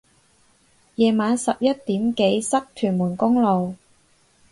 夜晚十一點幾塞屯門公路